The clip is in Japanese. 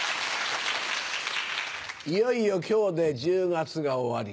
いよいよ今日で１０月が終わり